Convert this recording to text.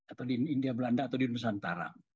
atau di india belanda atau di nusantara